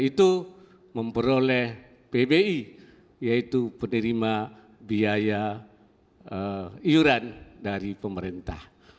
itu memperoleh pbi yaitu penerima biaya iuran dari pemerintah